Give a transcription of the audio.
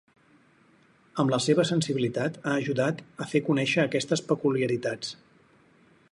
Amb la seva sensibilitat ha ajudat a fer conèixer aquestes peculiaritats.